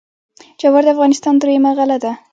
جوار د افغانستان درېیمه غله ده.